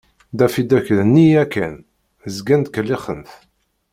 Daffy Duck d nneyya kan, zgan ttkellixen-t.